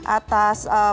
atas perbincangan kita